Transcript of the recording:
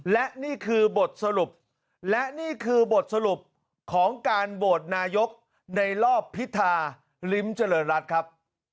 และนี่คือบทสรุปและนี่คือบทสรุปของการโหวตนายกในรอบพิธาลิ้มเจริญรัฐครับ